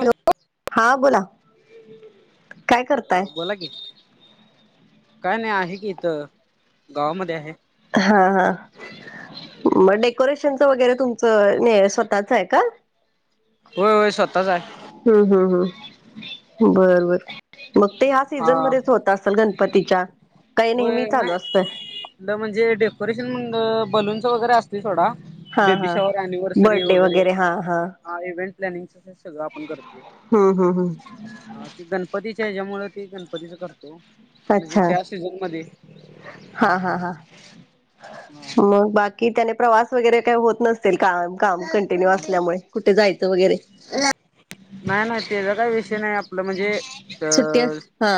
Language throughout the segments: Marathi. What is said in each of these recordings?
हॅलो हा बोला काय अ करताय बोला की काय नाही आहे कि इथ गावामध्ये आहे हा हा मग डेकोरेशनचं वगैरे तुमचं स्वतःच आहे का होय होय स्वतःच आहे हम्म हम् हम् बर बर मग ते याच हा सीझन मध्येच होत असेल गणपतीच्या काही हो नेहमी चालू नाही असतंय ल म्हणजे डेकोरेशनण बलून्स वगैरे असतील थोडा हा बेबी हा शाहर अनिव्हर्सरी वगैरे हा इव्हेंट प्लॅनिंगच सगळं आपण करते हम्म हम्म हम्म अ ती गणपतीच्या ह्याच्यामु ते गणपतीच करतो म्हणजे अच्छा त्या सीझनमध्येध्ये हा हा हा मग बाकी कि त्याने प्रवास वगैरे काही होत नसतील का काम कंटिन्यू असल्यामुळे कुठे जायचं वगैरे नाही नाही त्याचा काही विषय नाही आपलं म्हणजे अ सुट्टी अस हा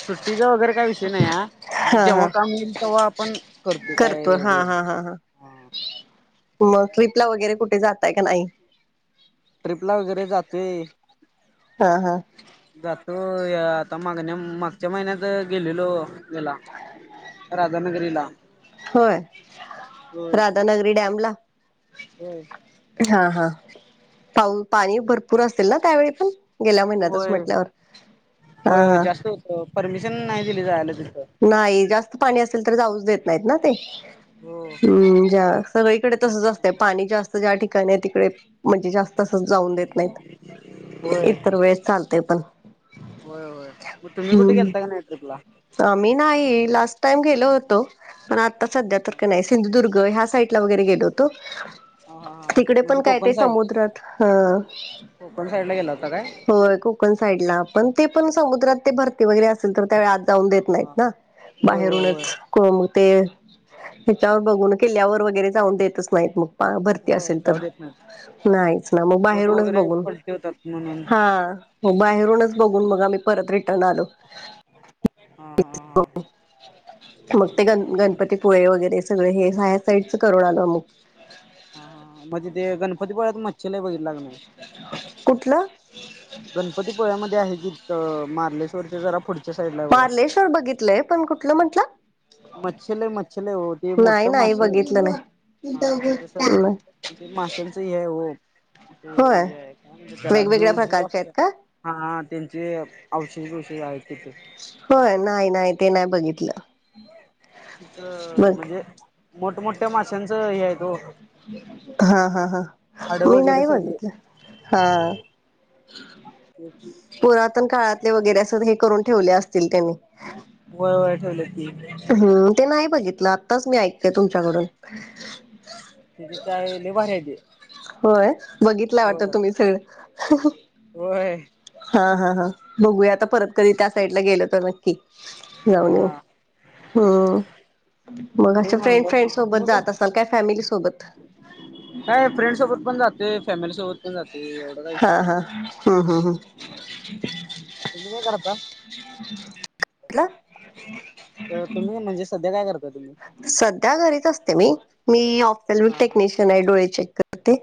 सुट्टीचा वगैरे काय विषय नाही या म्हणजे हा जेव्हा हा काम येईल तेव्हा आपण करते काय एवढे ह ह मग ट्र्रीपला वगैरे कुठे जाताय का नाही ट्रिप ला वगैरे जाते हा हा जो आता मागण्या मागच्या महिन्यात गेलेलो गला राजधानगरीला होय राधानगरी डॅम ला होय हा हा पाऊ पाणी भरपूर असेल ना त्यावेळी पण गेल्या महिन्यातच होय. म्हटल्यावर होय हा होय हा जास्त परमिशन नाही दिली जायला तिथं नाही जास्त पाणी असेल तर जाऊच देत नाहीत ना ते हो. हम् जा सगळीकडे तसं जा असतं पाणी जास्त ज्या ठिकाणी आहे तिकडे म्हणजे जास्त तं जाऊन देत नाहीत होय. इतर वेळ चालते पण होय होय मग तुम् कुठ ग केलता का नाहीट र पला आम मी नाही लास्ट टाईम गेलो होतो पण आता सध्या तर का नाही सिंधुदुर्ग ह्या साईड वगैरे गेलो होतो हा हा हा. तिकडे पण म्हणजे काय कोकण ते साईड समुद्रात अ कोकण साईडला गेला होता काय? होय कोकण साईडला पण ते पण समुद्रात ते भरती वगैरे असेल तर त्या वेळात जाऊन देत नाही हा. ना होय होय होय बाहेरूनच हो मग ते हच्यावर बघून किल्ल्यावर वगैरे जाऊन देतच नाहीत मग भरती होय असेल जाऊ तर देत नाही नाहीच ना मग बोट बाहेरूनच वगैरे बघून पलटी होतात म्हणून. हा बाहेरूनच बघून मग आम्ही परत रिटर्न आलो हा हा हा. को मग ते गण गणपतीपुळे वगैरे सगळे हे साय्या साईडच करून आल मग हा म्हणजे ते गणपतीपुळ्यात मच्छीलाय बघितला लागणार कुठलं गणपतीपुळ्यामध्ये आहे की मारलेश्वरच्या जरा पुडत मार्लेश्वर बघितलंय पण कुठलं म्हटलं मच्छलय मच्छलय हो ते मोठ नाही नाही मासे बघितलं हा नाही. तिथे सर्वे माशांच हे हो ते काय म्हणत त्याला जू सकारच्या आहेत का हाा त्यांचे औषध षध आहेत तिथे हो नाही नाही ते नाही बघितलं बघ म्हणजे मोठमोठ्या माशांचं हे आहे तो हा हा हा मी वगैरे नाही सगळे बघित हा ते पुरातन काळातले वगैरे अस हे करून ठेवले असतील त्यांनी वय वय ठेवली ती हम्म ते नाही बघितलं आत्ताच मी ऐकतेय तुमच्याकडून त त्याले बरयदी होय बघितला वाटत तुम्ही सगळं होय हा हा हा बघूया आता परत कधी त्या साईड ला गेलो तर मी जाऊ नऊ हा हम्म मग तेच अे फ्रेंड फ्रेंड म्हणलं सोबत तुम्ही का जात असाल काय फॅमिली सोबत ेन सफर पण जाते फॅमिली सोबत पण जाते एवढा काय हा विषय हा नाही हम्म हम्म हम्म तुम्ही काय करता म्हटलं तुम्ही म्हणजे सध्या काय करता तुम्ही? सध्या घरीच असते मी मी ऑफफल् हा टेक्निशियन आहे डोळे चेक करते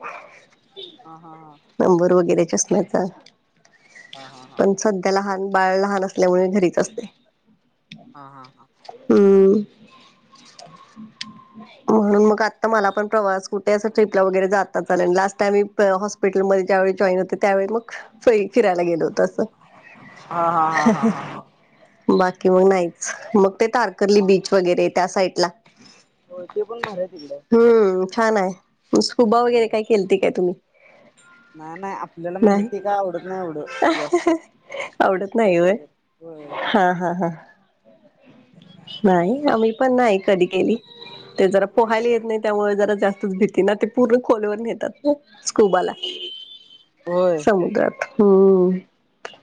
ह हा हा नंबर वगैरेच्याच चष्म्याचा हा पण सध्या त्या लहान बाळ लहान असल्यामुळे घरीच असते हा हा हा हम्म म्हणून मग आता मला पण प्रवास कुठे अस ट्रिपला वगैरे जाता चालेल लास्ट टाईम मि हासपीटल हॉपिटलमध्ये ज्यावे जॉई हो त्यावे मग फरी फिरायला गेलो होत अस हा हा हा हा हा हा हा हा हा बाकी मग नाहीच मग ते तारकर्ली बीच वगैरे त्या साईडला होय ते पण भर येलंय हम्म छान आहे स्ुबा वगैरे होय काय केलते काय तुम्ही नाही नाही आपल्याला म्हणजे नाही ते काय आवडत नाही आवडं जास्त आवडत नाहीय स्टेप होय वगैरे होय हा हा नाही आम्ही पण नाही कधी केली ते जरा पोहायला येत नाही त्यामुळे जरा जास्तच भीती ना ते पूर्ण खोलीवर नेतात स्कूबाला होय समुद्रात हम्म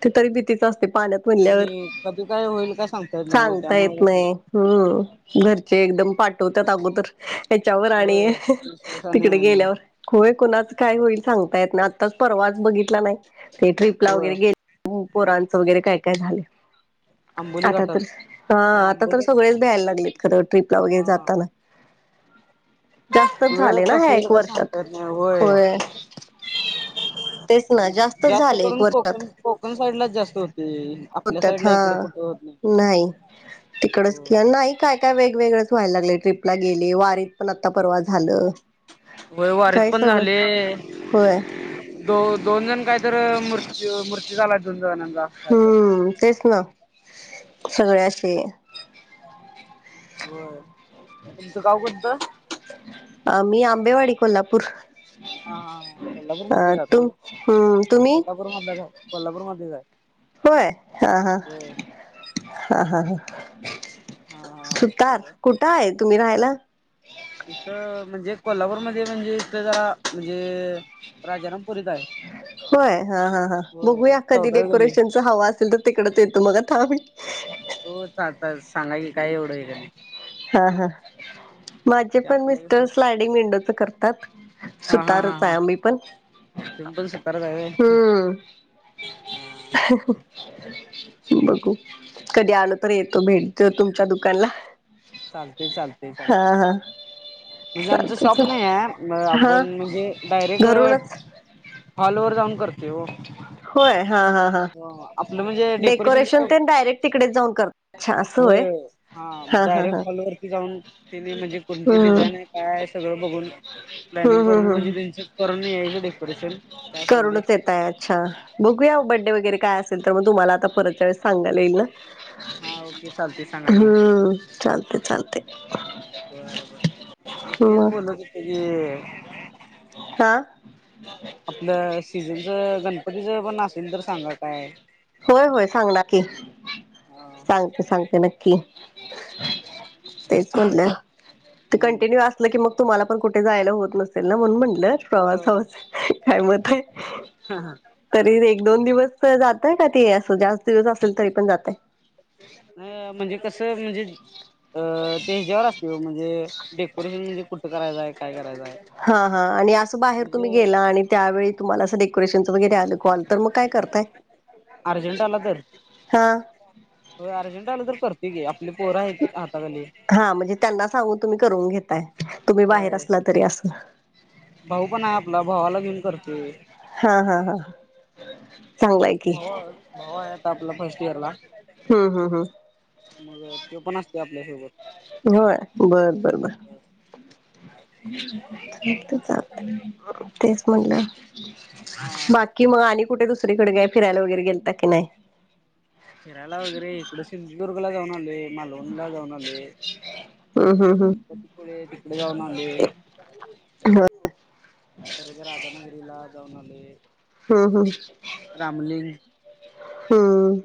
ते तरी भीतीच असते पाण्यात आणि म्हणल्यावर. कधी काय होईल का सांगतायेत नाही हो सांगता येत त्यामुळे कस नाही हम्म घरचे एकदम पाठवत्यात अगोदर याच्यावर होय आणिय विश्वासाने तिकडे आणि गेल्यावर होय कुणाच काय होईल पहा सांगता येत नाही परवाच बघितलं नाही ते ट्रीपला होय वगैरे गेले पोरांचं वगैरे काय काय झाले आंबोली आता घाटात तर हा आता तर सगळेच भ्यायला लागलेत खरं ट्र्रीपला वगैरे हा जाताना जास्तच वेळ झाले ना ह कशी येईल एक काय वर्षात सांगता येत नाही होय तेच ना जास्तच जास्त झाले एक करून कोकण कोकण साईड लाच जास्त होत आपल्या होतत साईडला हा इकडे कुठे नाही तिकडच होय. कि नाही काय काय वेगवेगळेंच व्हायला लागले ट्रीप ला गेले वारीत पण आत्ता परवा झालं वयवारीत काय पण सगळं झाले होय दो दोन जण काहीत मृत्य मृत्यू झालाय दोन जणांना हम्म तेच ना सगळ्याशी होर तुमचं गाव कोणतं अ मी आंबेवाडी कोल्हापूर हा हा हा कोल्हापूर अ तुम हम्म तुम्ही ूरमध्ये आहे कोल्हापूरमध्येध्ये जाय होय हा हा हा हा हा हा हा. सुतार कुठं आहे तुम्ही राहायला इथ म्हणजे कोल्हापूरमध्येध्ये म्हणजे इथ ज म्हणजे राजानाम पुोल होय हा हा हा बघूया अखादी चौदावी गल्ली. डेकोरेशन हवा असेल तर तिकडच येतो मग थांब हो चाचा सांगा की काय एवढं आहे का नाही हा हा माझे ते पण आपलं मिस्टर कसं स्लायडिंग विंडोच करतात हा हा सुतारच आहे आम्ही पण तराच आहे हसण्याचा आवाज बघू कधी आलो तर येतो भेट द तुमच्या दुकानला चालते लते हा हा म्हणजे आमच चालतंय शॉप नाही चाल आहे हा आपण म्हणजे डायरेक्ट घरूनच ऑल ओवर जाऊन करते हो होय हा हा हा आपलं म्हणजे डेकोरेशन ते डायरेक्ट डेकोरेशनच तिकडे जाऊन करता अच्छा असं होय वय हा हा डायरेक्ट हा हॉलवररती जाऊन केली म्हणजे कोणती हम्म डिझाईन आहे काय सगळं बघून हम्म प्लॅनिंग करून हम्म म्हणजे हम् त्यांचं करून यायचं डेकोरेशन काय असेल ते करुूनच येत या अच्छा बघूया बड्डे वगैरे काय असेल तर मग तुम्हाला आता परतच्या वेस सांगाला येईल ना हा ओके चालतंय सांगा की हम्म चालते चालते बरोबर मग तेच बोलत होत की हा आपलं सीजनच गणपती ज पण असल तर सांगा काय होय होय सांग नकी हम्म सांगते सांगते नक्की क तेच म्हटलं ते कंटिन्यू असलं की मग तुम्हाला पण कुठे जायला होत नसेल ना म्हणून म्हटलं होय प्रवासा होय काय मत आहे तरी एक दोन दिवस जात य का ते असं जास्त दिवस असेल तरी पण जातय अ म्हणजे कस म्हणजे अ ते हच्यावर असत किंवा म्हणजे डेकोरेशन म्हणजे कुठं करायचंय काय करायचंय हा हा आणि असं बाहेर तुम्ही गेला आणि त्यावेळी तुम्हाला अस डेकोरेशन वगैरे आलं कल तर मग काय करतय अर्जंट हा हो अर्जंट आलं तर करते की आपले पोर आहेत हातााताली. हा म्हणजे त्यांना सांगून तुम्ही करून घेताय तुम्ही बाहेर होय असला तरी असं- भाऊ पण आहे आपला भावाला घेऊन करते. हा हा हा चांगलाय. की भावा भावा आहेता आपला फर्स्ट इयर ला- हम्म हम्म हम्म. मग ते पण असते आपल्यासोबत. होय बरं बरं बरं. चालत चालत तेच म्हटलं. हा बाकी मग आणि कुठे दुसरीकडे फिरायला वगैरे गेलता की नाही. हिराला वगैरे इकड सिंधुदुर्गला जाऊन आले. मा लोनला जाऊन आले हम्म हम्म गणप- पुढे तिकडे जाऊन आली पर तर राधानगरीला. ऊनले हम् हम रामलिंग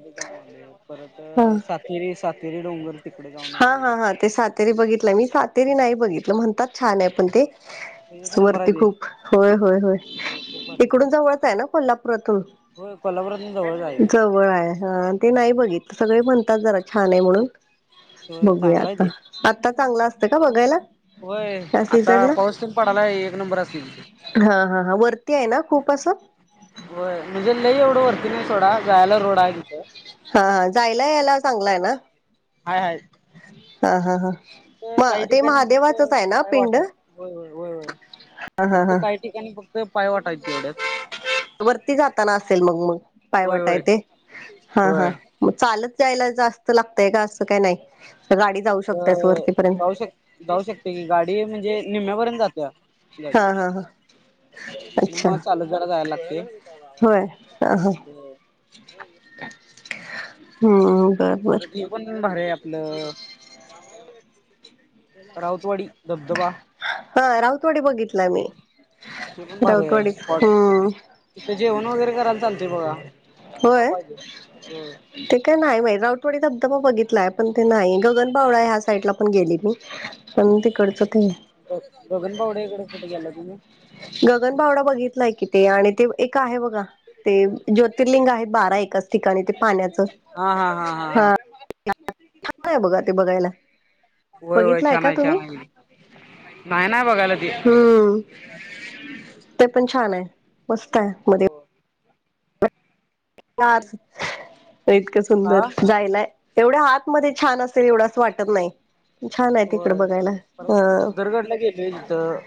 जाऊन आ परत हम्म सातेरी सातेरी डोंगर- तिकडे जाऊन हा आलोय. हा हा ते सातेरी बघितलं मी सातेरी नाही बघितलं म्हणतात छान आहे पण ते- एक सु नंबर आहे वरती ते. खूप होय होय होय खूप भारी आहे ते. इकडून जवळच आहे ना कोल्हापुरातून. होय कोल्हापुरातून जवळच आहे ते. जवळ आहे. हा ते नाही बघित सगळे म्हणतात जरा छान आहे म्हणून होय बघूया चांगलं आहे आता. ते. आत्ता चांगला असते का बघायला. होय या आता सीझन ला पाऊस पण पडालाय एक नंबर असलत. हा हा हा वरती आहे ना खूप असं. हो म्हणजे लई एवढं वरती नाही सोडा जायला रोड आहे. तिथं. हा हा जायला यायला चांगला आहे ना हाय हाय. हा हा हा. फक्त म काही ते ठिकाणी फक्त महादेवाचच आहे ना काय पिंड? वाटा ये हा होय होय फक्त हा हा. काही काही ठिकाणी फक्त पाय वाटा आहेत तेवढ्याच वरती जाताना असेल मग मग पाय होय वाट आहे होय. ते हा हा. होय. मग चालत जायला जास्त लागतय का असं काय नाही गाडी जाऊ अ शकतास वरती पर्यंत जाऊ शक जाऊ शकते की गाडी म्हणजे निम्म्यापर्यंत जातेया. हा हा हा. तिथन अच्छा मग चालत जरा जायला लागते होय हम्म. बर बर [unintelligible] पण भार आहे आपलं राऊतवाडी धबधबा. हा राऊतवाडी बघितला मी राऊतवाडी हम्म. तिथे जेवण वगैरे कराला चालतय बघा. का व्हय. पाहिजे हो ते काय नाही मा रावठवाडी धबधबा बघितलाय पण ते नाही गगनबावळा ह्या साईडला पण गेली मी. [unintelligible] तिकडचं ते. गगन पावडे इकडे कुठे गेला तुम्ही. गगन बावडा बघितलाय कि ते आणि ते एक आहे बघा ते ज्योतिर्लिंग आहे बारा एकाच ठिकाणी ते पाण्याचं हा [unintelligible] आहे बघा ते बघायला व्हय व्हय बघितलाय छान का आहे तुम्ही छान आहे. नाही ना बघायला ती हम्म ते पण छान आहे मस्त आहे मध्ये ह इतकं हा सुंदर जायलाय एवढ्या हातमध्ये छान असेल एवढं असं वाटत नाही. छान आहे तिकडे होय बघायला परत ह. भुदरगडला गेलोय तिथं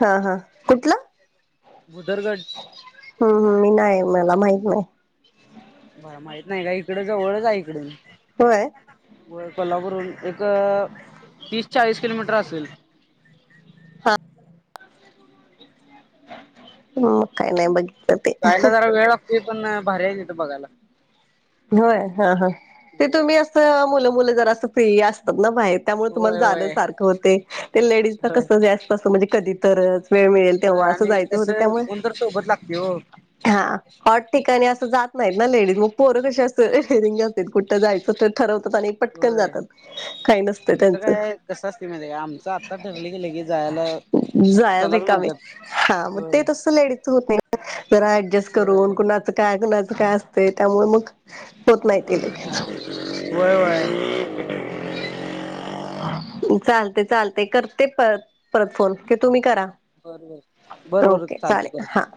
हा हा कुठला? उदरगड. हम्म हम्म मी नाही मला माहित नाही. बरं माहित नाही का इकड जवळच आहे इकडून होय होय कोल्हापूरून एक तीस चाळीस किलोमीटर असेल हा हम् काय नाही बघ जायला जरा वेळ लागते पण भारी्याय येत बघायला होय हा हा ते होय तुम्ही असं मुलं मुलं जर असं फ्री असतात ना बाहेर त्यामुळे तुम्हाला होय जाणं होय सारखं होते ते लेडीजला कसंसं म्हणजे कधी तरच वेळ मिळेल होय तेव्हा असं आणि जायचं होत कसं त्यामुळे कोणतर सोबत लागते हो हा हॉट ठिकाणी असं जात नाहीत ना लेडीज म पोरं कशी असतं रिंग असत कुठं जायचं तर ठरवतात आणि पटकन होय. जातात काही नसत आमचं त्यांचं काय कसं असते माहिती आहे का आमचं आता ठरलं की लगेच जायला जाय चलाच विकावे म्हणतात हा मग ते होय तसं लेडीच होत नाही जरा ऍडजस्ट होय करून कुणाचं काय कुणाचं काय असतं त्यामुळे मग होत नाही ते लगेच. वय चालते चालते करते परत परत फोन क तुम्ही करा बर बर बरं बरं ओके चालते चालेल करतो हा की